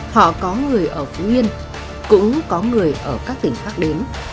họ có người ở phú yên cũng có người ở các tỉnh khác đến